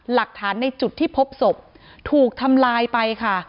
หลักฐานในจุดที่พบศพถูกทำลายไปค่ะ